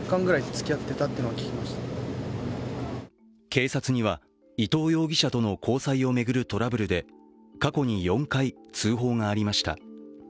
警察には伊藤容疑者との交際を巡るトラブルで過去に４回、通報がありました。